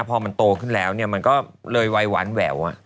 พอมันโตขึ้นแล้วเนี่ยมันก็เลยวัยหวานแหวว